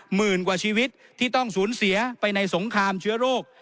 หมื่นกว่าชีวิตที่ต้องสูญเสียไปในสงครามเชื้อโรค